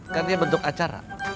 kan dia bentuk acara